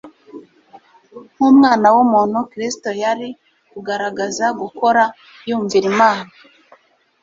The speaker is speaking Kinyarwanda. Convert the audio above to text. Nk'Umwana w'umuntu, Kristo yari kugaragaza gukora yumvira Imana.